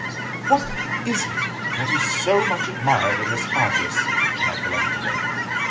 "What is it that is so much admired in this artist (M. Angelo)?